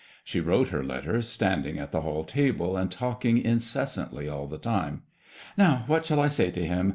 She wrote her letter, standing at the hall table, and talking incessantly all the time. ''Now what shall I say to him?